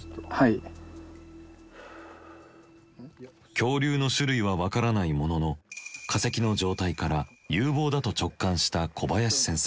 恐竜の種類は分からないものの化石の状態から有望だと直感した小林先生。